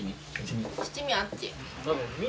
七味あっち